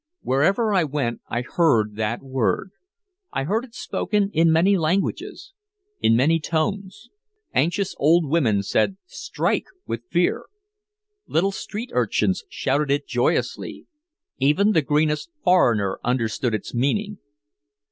Wherever I went I heard that word. I heard it spoken in many languages, in many tones. Anxious old women said "strike!" with fear. Little street urchins shouted it joyously. Even the greenest foreigner understood its meaning.